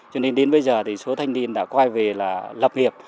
cho nên đến bây giờ thì số thanh niên đã quay về là lập nghiệp